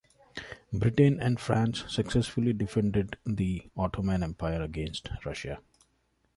Britain and France successfully defended the Ottoman Empire against Russia.